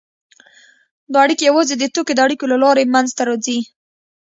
دا اړیکې یوازې د توکو د اړیکو له لارې منځته راځي